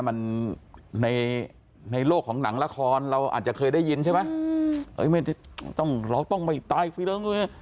มันในโลกของหนังละครเราอาจจะเคยได้ยินใช่ไหมเราต้องไม่ตายฟีเริง